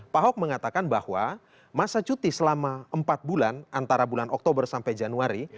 pak ahok mengatakan bahwa masa cuti selama empat bulan antara bulan oktober sampai januari